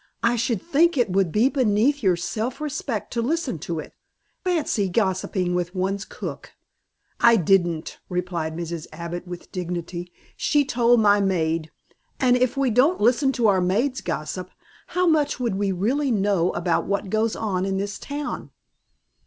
"I should think it would be beneath your self respect to listen to it. Fancy gossiping with one's cook." "I didn't," replied Mrs. Abbott with dignity. "She told my maid, and if we didn't listen to our maids' gossip how much would we really know about what goes on in this town?"